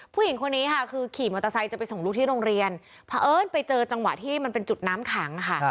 ผู้หญิงคนนี้ค่ะคือขี่มอเตอร์ไซค์จะไปส่งลูกที่โรงเรียนเพราะเอิญไปเจอจังหวะที่มันเป็นจุดน้ำขังค่ะ